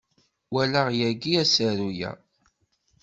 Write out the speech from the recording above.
Walaɣ yagi asaru-a.